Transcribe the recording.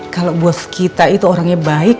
kalau buat kita itu orangnya baik